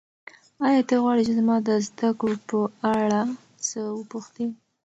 ایا ته غواړې چې زما د زده کړو په اړه څه وپوښتې؟